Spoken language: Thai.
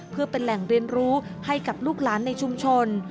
เพื่อเป็นแหล่งเรียนรู้ให้กับลูกหลานในชุมชน